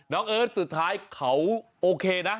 เอิร์ทสุดท้ายเขาโอเคนะ